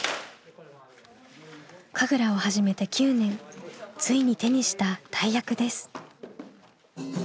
神楽を始めて９年ついに手にした大役です。